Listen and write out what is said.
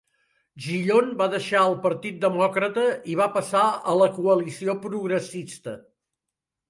Gillon va deixar el Partit Demòcrata i va passar a la Coalició Progressista.